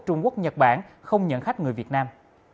trung quốc nhật bản không nhận khách người việt nam